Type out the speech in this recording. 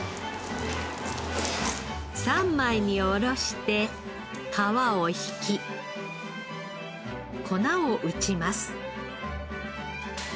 三枚に下ろして皮を引き粉を打ちます。